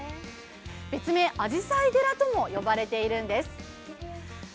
別名あじさい寺とも呼ばれているてん゛す。